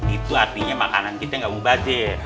itu artinya makanan kita gak umbat ji